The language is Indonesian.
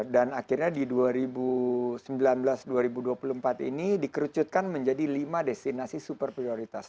dan akhirnya di dua ribu sembilan belas dua ribu dua puluh empat ini dikerucutkan menjadi lima destinasi super prioritas